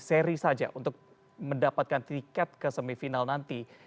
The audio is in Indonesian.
seri saja untuk mendapatkan tiket ke semifinal nanti